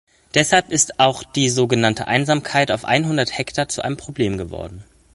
Deshalb ist auch die so genannte Einsamkeit auf einhundert Hektar zu einem Problem geworden.